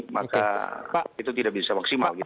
maka itu tidak bisa maksimal